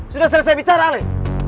sudah selesai bicara ale